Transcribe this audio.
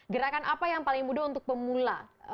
gerakan apa yang paling mudah untuk pemula